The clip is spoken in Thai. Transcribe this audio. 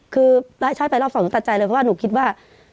คือใช่ไปรอบ๒ตัดใจเลยเพราะว่าหนูคิดว่า